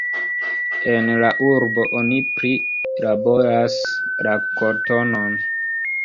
En la urbo oni prilaboras la kotonon.